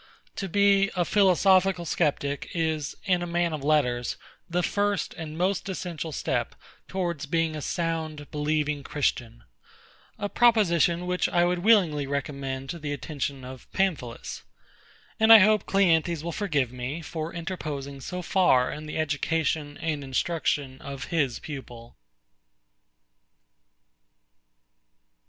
To be a philosophical Sceptic is, in a man of letters, the first and most essential step towards being a sound, believing Christian; a proposition which I would willingly recommend to the attention of PAMPHILUS: And I hope CLEANTHES will forgive me for interposing so far in the education and instruction of his pupil.